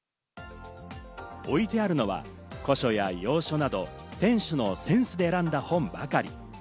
置いてあるのは古書や洋書など、店主のセンスで選んだ本ばかり。